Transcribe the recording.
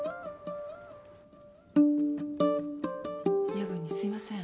夜分にすいません。